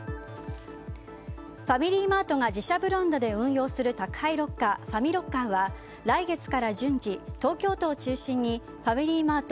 ファミリーマートが自社ブランドで運用する宅配ロッカーファミロッカーは来月から順次東京都を中心にファミリーマート